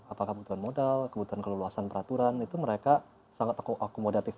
apakah kebutuhan modal kebutuhan keleluasan peraturan itu mereka sangat akomodatif